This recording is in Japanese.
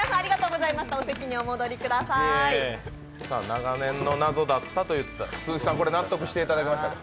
長年の謎だったということですが、鈴木さん、これ、納得していただけましたか？